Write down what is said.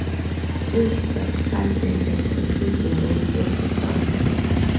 Since that time they have received road safety grants.